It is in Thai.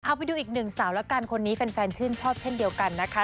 เอาไปดูอีกหนึ่งสาวแล้วกันคนนี้แฟนชื่นชอบเช่นเดียวกันนะคะ